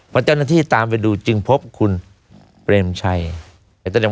พอเจ้าหน้าที่ตามไปดูจึงพบคุณเปรมชัย